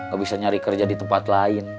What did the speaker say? gak bisa nyari kerja di tempat lain